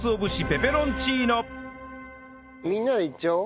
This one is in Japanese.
みんなでいっちゃおう。